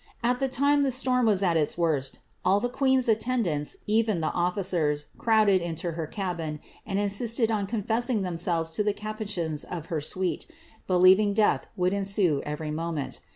At the time the storm was at its worst, all the queen'f attendants, even the ofllicers, crowded into her cabin, and insisted oo confessing themselves to the capucins of her suite, believing death would ensue every moment.